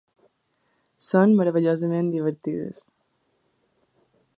Són meravellosament divertides.